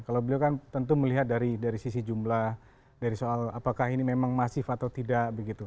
kalau beliau kan tentu melihat dari sisi jumlah dari soal apakah ini memang masif atau tidak begitu